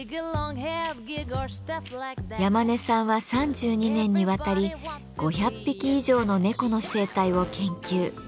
山根さんは３２年にわたり５００匹以上の猫の生態を研究。